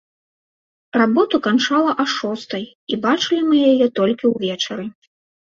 Работу канчала а шостай, і бачылі мы яе толькі ўвечары.